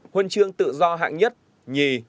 huân chương tự do hạng nhất nhì